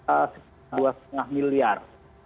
ada dua lima miliar